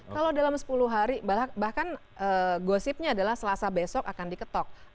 kalau dalam sepuluh hari bahkan gosipnya adalah selasa besok akan diketok